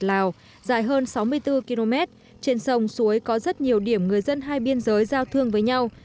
lào dài hơn sáu mươi bốn km trên sông suối có rất nhiều điểm người dân hai biên giới giao thương với nhau